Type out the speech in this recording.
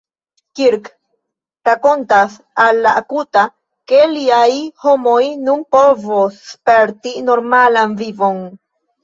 Kirk rakontas al la Akuta, ke liaj homoj nun povos sperti normalan vivon.